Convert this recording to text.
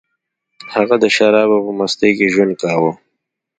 هغه د شرابو په مستۍ کې ژوند کاوه